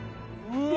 うわ！